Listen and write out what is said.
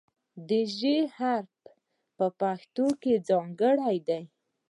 د "ژ" حرف په پښتو کې ځانګړی دی.